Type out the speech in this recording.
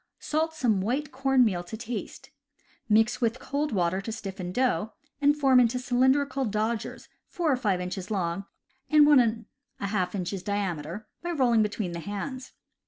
— Salt some white corn meal to taste. Mix with cold water to stiff dough, and form into cylindrical dodgers four or five inches long and one and a half inches diameter, by rolling between the hands.